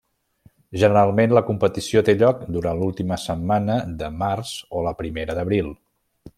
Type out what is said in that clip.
Generalment la competició té lloc durant l'última setmana de març o la primera d'abril.